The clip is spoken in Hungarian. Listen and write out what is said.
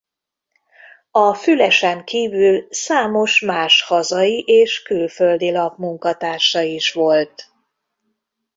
A Fülesen kívül számos más hazai és külföldi lap munkatársa is volt.